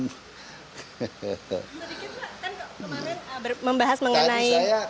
sedikit pak kan kemarin membahas mengenai